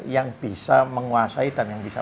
yang bisa menguasai dan yang bisa